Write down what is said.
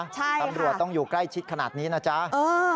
ใช่ค่ะตำรวจต้องอยู่ใกล้ชิดขนาดนี้นะจ๊ะเออ